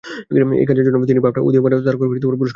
এই কাজের জন্য তিনি বাফটা উদীয়মান তারকা পুরস্কার লাভ করেন।